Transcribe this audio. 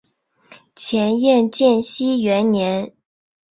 前燕建熙元年。